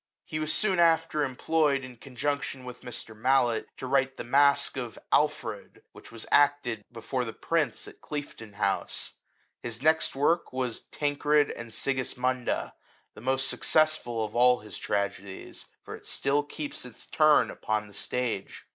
He was soon after employed, in cc«ijunction with Mr. Mallet, to write the masque of " Alfred," which was acted before the Prince at Cliefden house. His next work ( 1745) was " Tancred and « Sigismunda/' the most successful of all his XVI LIFE OF THOMSOIT. tragedies; for it still keeps its turn upon the stage.